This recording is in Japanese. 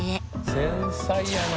繊細やな。